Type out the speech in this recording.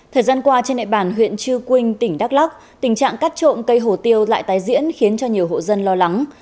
thời gian qua trên đại bàn huyện chư quynh tỉnh đắk lóc tình trạng cắt trộm cây hổ tiêu lại tái diễn khiến cho nhiều hộ dân lo lắng